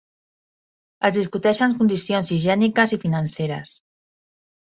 Es discuteixen condicions higièniques i financeres.